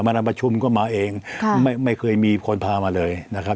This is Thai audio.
นำประชุมก็มาเองค่ะไม่เคยมีคนพามาเลยนะครับ